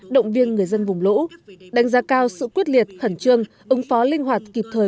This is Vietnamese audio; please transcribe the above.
động viên người dân vùng lũ đánh giá cao sự quyết liệt khẩn trương ứng phó linh hoạt kịp thời